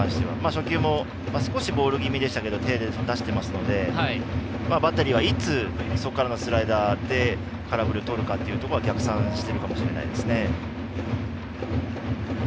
初球もボール気味でしたけれども手を出してバッテリーはいつそこからのスライダーで空振りをとるかというところを逆算しているかもしれませんね。